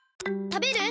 食べる？